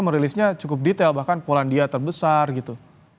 merilisnya cukup detail bahkan polandia terbesar gitu